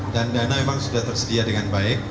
dan dana memang sudah tersedia dengan baik